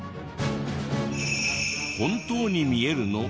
本当に見えるの？